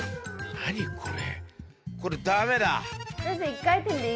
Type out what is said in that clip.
何これ？